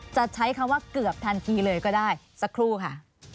จะใช้คำว่าเกือบทันทีเลยก็ได้สักครู่ค่ะ